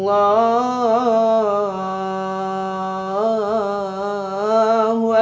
sekarang saya akan menyertai